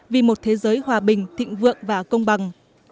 vì một thế giới hòa bình thịnh vượng và công bằng